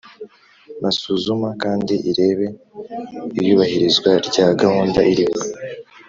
Masuzuma kandi ireba iyubahirizwa rya gahunda iriho